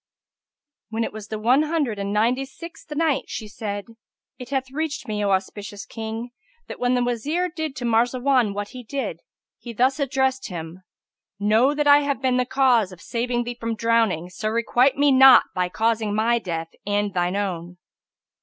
When it was the One Hundred and Ninety sixth Night, She said, It hath reached me, O auspicious King, that when the Wazir did to Marzawan what he did, he thus addressed him Know that I have been the cause of saving thee from drowning so requite me not by causing my death and shine own."